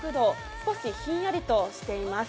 少しひんやりとしています。